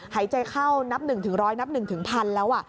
หายใจเข้านับ๑๐๐นับ๑พันแล้ว